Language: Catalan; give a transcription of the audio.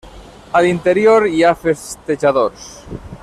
A l'interior hi ha festejadors.